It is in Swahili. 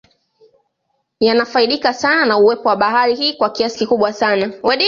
Yanafaidika sana na uwepo wa bahari hii kwa kiasi kikubwa sana